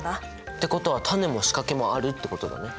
ってことは種も仕掛けもあるってことだね。